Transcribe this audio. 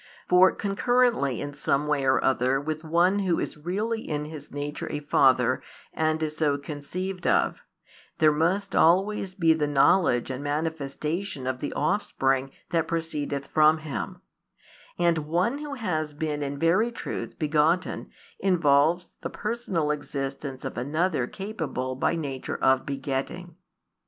For concurrently in some way or other with One Who is really |285 in His nature a Father and is so conceived of, there must always be the knowledge and manifestation of the Offspring that proceedeth from Him; and One Who has been in very truth begotten involves the Personal existence of Another capable by nature of begetting.